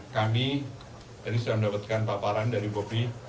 kami tadi sudah mendapatkan paparan dari bobi